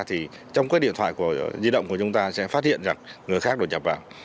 thì trong cái điện thoại di động của chúng ta sẽ phát hiện rằng người khác đột nhập vào